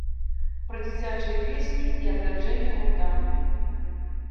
Пра дзіцячыя песні і адраджэнне гурта.